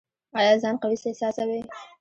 ایا ځان قوي احساسوئ؟